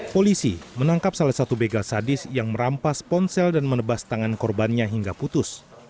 polisi menangkap salah satu begal sadis yang merampas ponsel dan menebas tangan korbannya hingga putus